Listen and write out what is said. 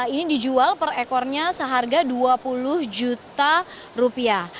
ini dijual per ekornya seharga dua puluh juta rupiah